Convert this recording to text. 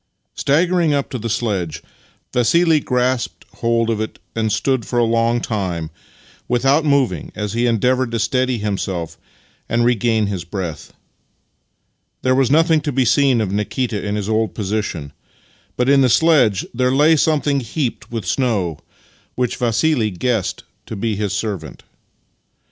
IX Staggering up to the sledge, Vassili grasped hold of it and stood for a long time without moving as he endeavoured to steady himself and regain his breath. There was nothing to be seen of Nikita in his old posi tion, but in the sledge there lay something heaped with snow, which Vassili guessed to be his servant.